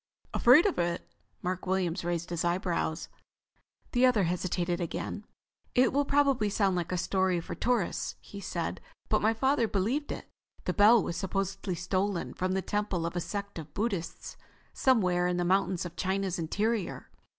"Afraid of it?" Mark Williams raised his eyebrows. The other hesitated again. "It will probably sound like a story for tourists," he said. "But my father believed it. This bell was supposedly stolen from the temple of a sect of Buddhists somewhere in the mountains of China's interior.